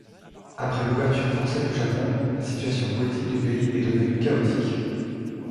Après l'ouverture forcée du Japon, la situation politique du pays est devenue chaotique.